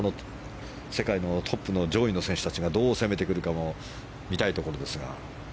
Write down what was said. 世界のトップの上位の選手たちがどう攻めてくるかも見たいところですが。